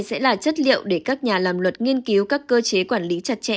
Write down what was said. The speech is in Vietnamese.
sẽ là chất liệu để các nhà làm luật nghiên cứu các cơ chế quản lý chặt chẽ